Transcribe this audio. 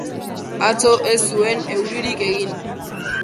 Atzo ez zuen euririk egin.